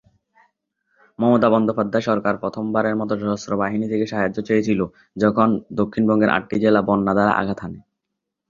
মমতা বন্দ্যোপাধ্যায় সরকার প্রথমবারের মতো সশস্ত্র বাহিনী থেকে সাহায্য চেয়েছিল যখন দক্ষিণ বঙ্গের আটটি জেলা বন্যা দ্বারা আঘাত হানে।